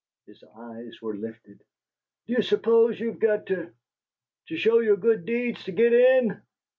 His eyes were lifted. "Do you suppose you've got to to show your good deeds to git in?"